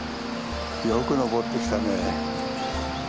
よく上ってきたね。